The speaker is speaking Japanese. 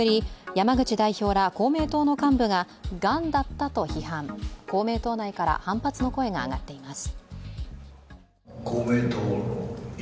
山口代表ら公明党の幹部ががんだったと批判、公明党内から反発の声が上がっています。